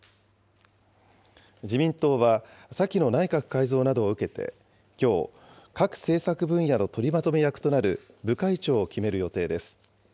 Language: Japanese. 自民党は、先の内閣改造などを受けてきょう、各政策分野の取りまとめ役となる部会長を決める予定です。